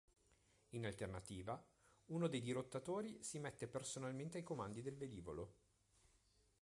In alternativa, uno dei dirottatori si mette personalmente ai comandi del velivolo.